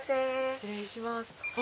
失礼します。